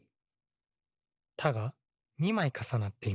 「た」が２まいかさなっています。